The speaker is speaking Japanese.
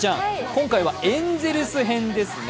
今回はエンゼルス編ですね。